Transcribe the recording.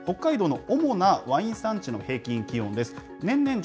北海道の主なワイン産地の平均気温です。